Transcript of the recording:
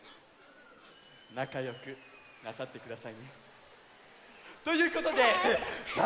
なかよくなさってくださいね。ということでさあ